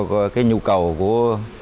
do cái nhu cầu của